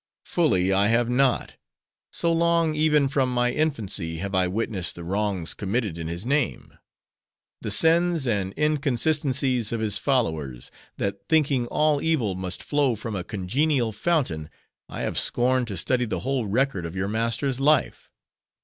"Fully, I have not. So long, even from my infancy, have I witnessed the wrongs committed in his name; the sins and inconsistencies of his followers; that thinking all evil must flow from a congenial fountain, I have scorned to study the whole record of your Master's life.